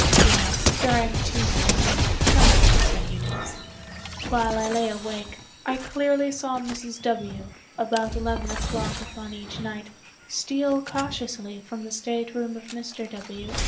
Well, during two nights (not consecutive) while I lay awake, I clearly saw Mrs. W., about eleven o'clock upon each night, steal cautiously from the state room of Mr. W.